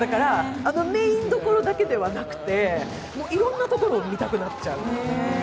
あのメインどころだけじゃなくていろんなところを見たくなっちゃう。